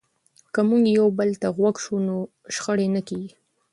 که موږ یو بل ته غوږ شو نو شخړې نه کېږي.